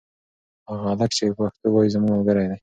هغه هلک چې پښتو وايي زما ملګری دی.